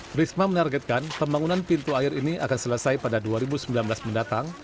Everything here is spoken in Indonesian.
trisma menargetkan pembangunan pintu air ini akan selesai pada dua ribu sembilan belas mendatang